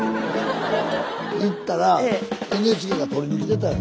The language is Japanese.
行ったらＮＨＫが撮りに来てたんや。